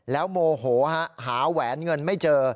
แล้วโมโหฮะหาแหวนเงินไม่เจอ